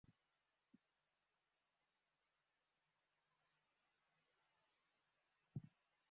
ও যদি ফ্যালকোনকে খুন করে, আমরা হয়তো কখনোই আর রিডলারকে খুঁজে পাবো না।